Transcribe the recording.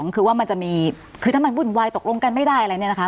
คือว่ามันจะมีคือถ้ามันวุ่นวายตกลงกันไม่ได้อะไรเนี่ยนะคะ